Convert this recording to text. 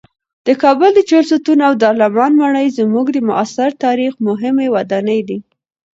د کابل د چهلستون او دارالامان ماڼۍ زموږ د معاصر تاریخ مهمې ودانۍ دي.